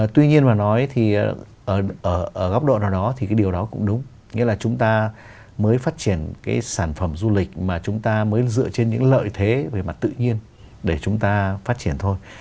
tuy nhiên mà nói thì ở góc độ nào đó thì cái điều đó cũng đúng nghĩa là chúng ta mới phát triển cái sản phẩm du lịch mà chúng ta mới dựa trên những lợi thế về mặt tự nhiên để chúng ta phát triển thôi